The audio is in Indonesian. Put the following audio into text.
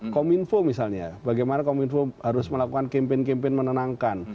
kominfo misalnya bagaimana kominfo harus melakukan kempen kempen menenangkan